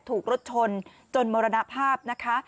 ถูกรถชนจนมรณภาพนะคะ